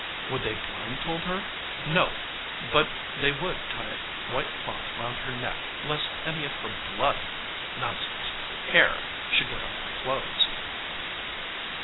Would they blind fold her? No, but they would tie a white cloth round her neck lest any of her blood nonsense hair should get on her clothes.